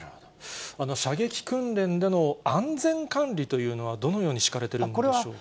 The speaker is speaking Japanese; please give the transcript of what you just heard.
射撃訓練での安全管理というのは、どのように敷かれてるんでしょうか。